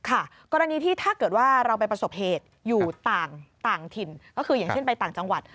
กรณีที่ถ้าเกิดว่าเราไปประสบเหตุอยู่ต่างถิ่นก็คืออย่างเช่นไปต่างจังหวัด